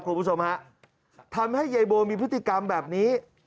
คุณผู้ชมฮะทำให้ยายโบมีพฤติกรรมแบบนี้